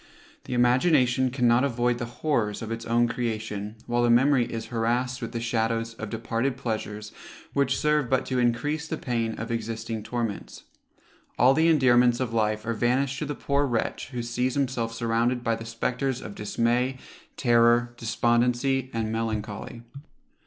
The imagination cannot avoid the horrors of its own creation, while the memory is harrassed with the shadows of departed pleasures, which serve but to encrease the pain of existing torments. All the endearments of life are vanished to the poor wretch who sees himself surrounded by the spectres of dismay, terror, despondency, and melancholy.